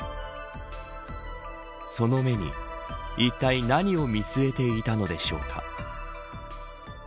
その目にいったい何を見据えていたのでしょうか。